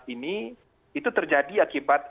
ini itu terjadi akibat